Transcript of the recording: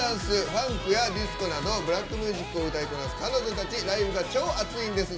ファンクやディスコなどブラックミュージックを歌いこなす彼女たち、ライブが超熱いんです。